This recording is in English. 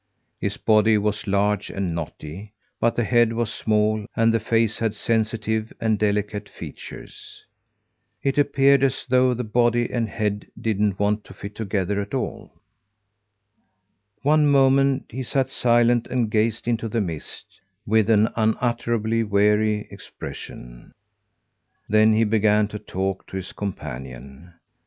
His body was large and knotty, but the head was small, and the face had sensitive and delicate features. It appeared as though the body and head didn't want to fit together at all. One moment he sat silent and gazed into the mist, with an unutterably weary expression. Then he began to talk to his companion.